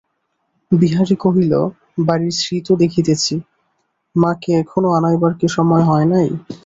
বিহারী কহিল, বাড়ির শ্রী তো দেখিতেছি–মাকে এখনো আনাইবার কি সময় হয় নাই।